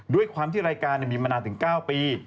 ด้วยความที่รายการมีมานานถึง๙ปี